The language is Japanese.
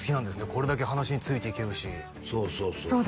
これだけ話についていけるしそうそう